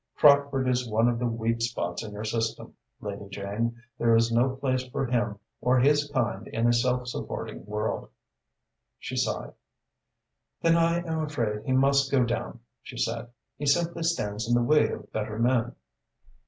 Crockford is one of the weak spots in your system, Lady Jane. There is no place for him or his kind in a self supporting world." She sighed. "Then I am afraid he must go down," she said. "He simply stands in the way of better men."